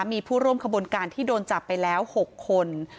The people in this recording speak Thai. มีผู้ร่วมขบวนการที่โดนจับไปแล้ว๖คน